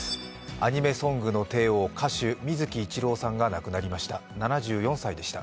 アニメソングの帝王、歌手・水木一郎さんが亡くなりました。